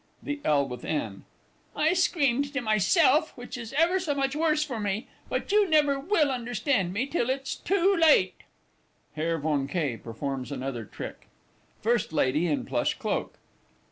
THE L. WITH N. I screamed to myself which is ever so much worse for me; but you never will understand me till it's too late! [HERR VON K. performs another trick. FIRST LADY IN PLUSH CLOAK.